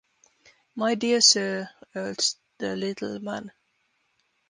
‘My dear Sir,’ urged the little man.